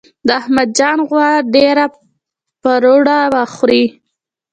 د احمد جان غوا ډیره پروړه خوري.